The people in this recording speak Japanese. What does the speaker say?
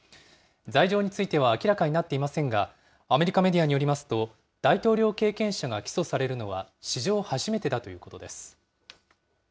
罪状については明らかになっていませんが、アメリカメディアによりますと、大統領経験者が起訴されるのは史上初めてだということです。